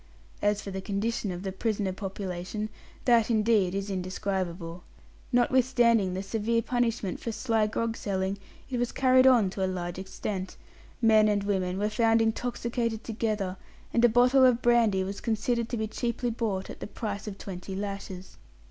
As for the condition of the prisoner population, that, indeed, is indescribable. Notwithstanding the severe punishment for sly grog selling, it was carried on to a large extent. Men and women were found intoxicated together, and a bottle of brandy was considered to be cheaply bought at the price of twenty lashes.